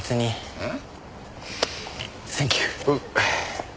うん。